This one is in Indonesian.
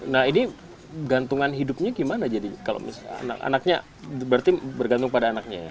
nah ini gantungan hidupnya gimana bergantung pada anaknya ya